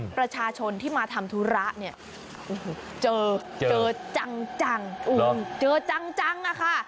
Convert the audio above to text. ประชาชนที่มาทำธุระเนี่ยเจอเจอจังเจอจังอะค่ะ